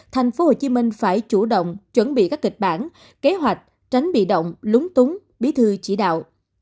thành phố hồ chí minh phải chủ động chuẩn bị các kịch bản kế hoạch tránh bị động lúng túng bi thư chỉ đạo